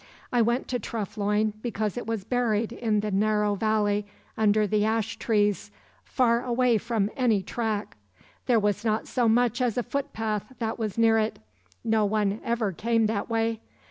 I went to Treff Loyne because it was buried in the narrow valley under the ash trees, far away from any track. There was not so much as a footpath that was near it; no one ever came that way.